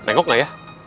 nengok gak ya